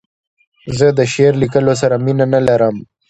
زه د شعر لیکلو سره مینه نه لرم.